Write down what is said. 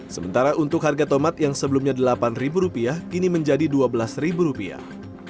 sementara untuk harga tomat yang sebelumnya delapan ribu rupiah kini menjadi dua belas rupiah